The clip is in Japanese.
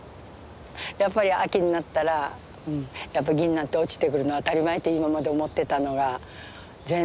やっぱり秋になったらギンナンって落ちてくるの当たり前って今まで思ってたのが全然ならなくてね。